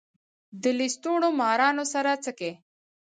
د لستوڼو مارانو سره څه کئ.